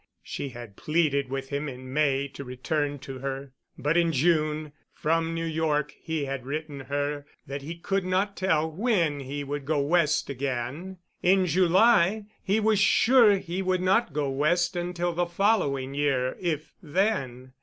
She had pleaded with him in May to return to her, but in June, from New York, he had written her that he could not tell when he would go West again. In July he was sure he would not go West until the following year, if then.